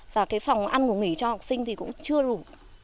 và cái phòng ăn ngủ nghỉ cho học sinh thì cũng chưa đủ